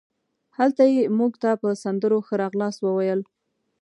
هلته یې مونږ ته په سندرو ښه راغلاست وویل.